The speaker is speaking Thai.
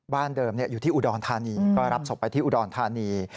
เดิมอยู่ที่อุดรธานีก็รับศพไปที่อุดรธานี